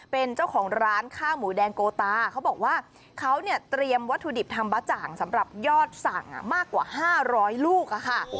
เป็นเจ้าของร้านข้าวหมูแดงโกตาเขาบอกว่าเขาเนี่ยเตรียมวัตถุดิบทำบ๊ะจ่างสำหรับยอดสั่งมากกว่า๕๐๐ลูกค่ะ